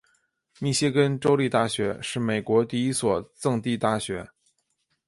密歇根州立大学是美国第一所赠地大学。